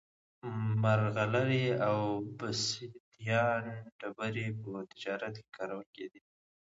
مرغلرې او اوبسیدیان ډبرې په تجارت کې کارول کېدې